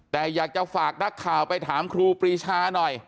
แต่อยากจะฝากนักข่าวไปถามครูปรีชาหน่อย